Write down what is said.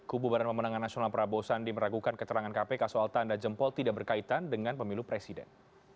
kubu barang pemenangan nasional prabowo sandi meragukan keterangan kpk soal tanda jempol tidak berkaitan dengan pemilu presiden